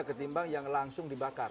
ketimbang yang langsung dibakar